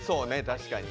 確かに。